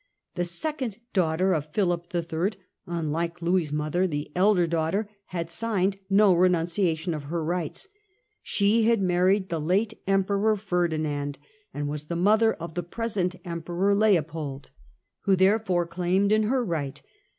The second daughter of Philip III., unlike Louis's The mother, the elder daughter, had signed no Emperor's renunciation of her rights. She had married cai®. the late Emperor Ferdinand, and was the mother of the present Emperor Leopold, who therefore claime<J in her right.